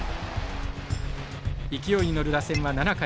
勢いに乗る打線は７回。